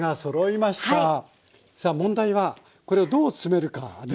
さ問題はこれをどう詰めるかですよね？